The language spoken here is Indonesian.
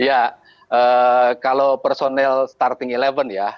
ya kalau personel starting eleven ya